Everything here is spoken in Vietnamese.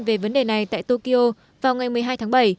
về vấn đề này tại tokyo vào ngày một mươi hai tháng bảy